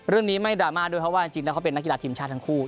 เรื่องนี้ไม่ดราม่าด้วยเพราะว่าจริงแล้วเขาเป็นนักกีฬาทีมชาติทั้งคู่